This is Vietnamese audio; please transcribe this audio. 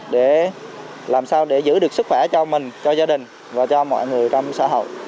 để làm sao để giữ được sức khỏe cho mình cho gia đình và cho mọi người trong xã hội